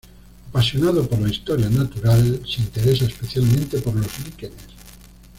Apasionado por la historia natural, se interesa especialmente por los líquenes.